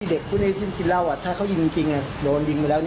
เด็กผู้ได้ใช้กินเล่าถ้าเขายิงจริงโดยวันยิงมาแล้ว